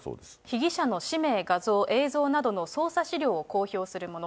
被疑者の氏名、画像、映像などの捜査資料を公表するもの。